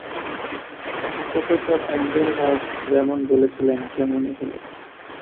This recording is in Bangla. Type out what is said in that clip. প্রফেসর অ্যাংগেল হার্স্ট যেমন বলেছিলেন তেমনি হল।